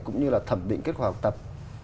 cũng như là thẩm định kết quả học tập